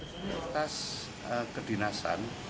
kami berkontras kedinasan